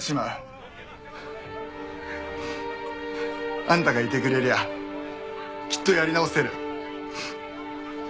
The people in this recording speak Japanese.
あんたがいてくれりゃきっとやり直せる。